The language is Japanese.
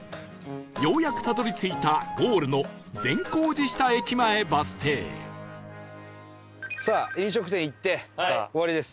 ようやくたどり着いたゴールの善光寺下駅前バス停さあ飲食店行って終わりです。